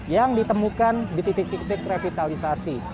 yang ditemukan di titik titik revitalisasi